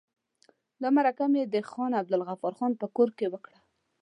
دا مرکه مې د خان عبدالغفار خان په کور کې وکړه.